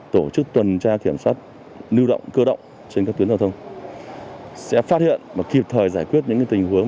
tổ chức tuần tra kiểm soát lưu động cơ động trên các tuyến giao thông sẽ phát hiện và kịp thời giải quyết những tình huống